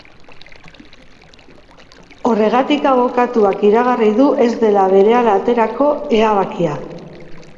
Horregatik, abokatuak iragarri du ez dela berehala aterako eabakia.